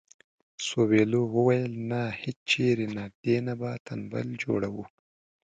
سویلو وویل نه هیچېرې نه دې نه به تمبل جوړوو.